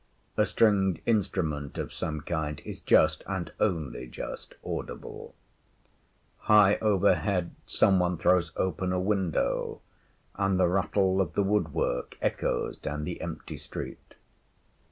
A stringed instrument of some kind is just, and only just, audible. High overhead some one throws open a window, and the rattle of the wood work echoes down the empty street.